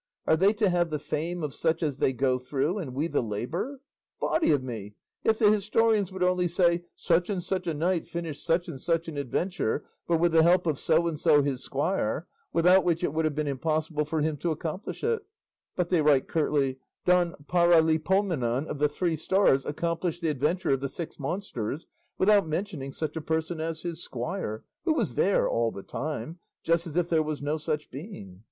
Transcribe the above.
Are they to have the fame of such as they go through, and we the labour? Body o' me! if the historians would only say, 'Such and such a knight finished such and such an adventure, but with the help of so and so, his squire, without which it would have been impossible for him to accomplish it;' but they write curtly, "Don Paralipomenon of the Three Stars accomplished the adventure of the six monsters;' without mentioning such a person as his squire, who was there all the time, just as if there was no such being.